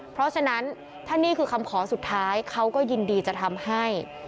เพราะฉะนั้นถ้านี่คือคำขอสุดท้ายเขาก็ยินดีจะทำให้